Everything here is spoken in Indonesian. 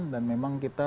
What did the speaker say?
dan memang kita